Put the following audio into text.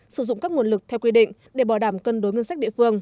sử dụng các nguồn lực theo quy định để bỏ đảm cân đối ngân sách địa phương